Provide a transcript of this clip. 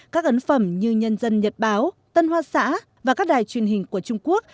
các ấn phẩm như nhân dân nhật báo tân hoa xã và các đài truyền hình của trung quốc